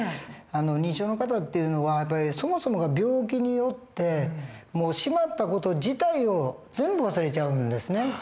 認知症の方っていうのはそもそもが病気によってしまった事自体を全部忘れちゃうんですね。